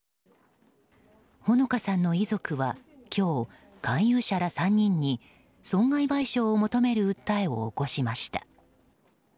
穂野香さんの遺族は今日、勧誘者ら３人に損害賠償を求める訴えを起こしました。